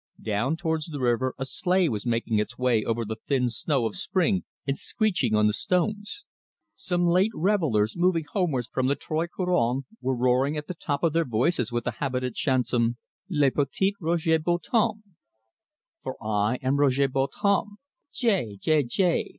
Down towards the river a sleigh was making its way over the thin snow of spring, and screeching on the stones. Some late revellers, moving homewards from the Trois Couronnes, were roaring at the top of their voices the habitant chanson, 'Le Petit Roger Bontemps': "For I am Roger Bontemps, Gai, gai, gai!